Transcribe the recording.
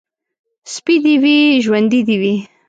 سپى دي وي ، ژوندى دي وي.